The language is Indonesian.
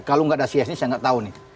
kalau tidak ada csi saya tidak tahu nih